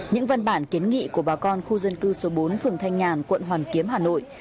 những văn bản kiến nghị của bà con khu dân cư số bốn phường thanh nhàn quận hoàn kiếm hà nội